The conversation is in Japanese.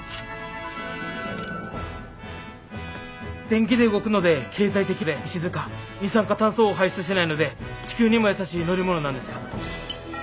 電気で動くので経済的で静か二酸化炭素を排出しないので地球にも優しい乗り物なんですよ。